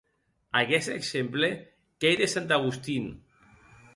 Aguest exemple qu’ei de Sant Agustin.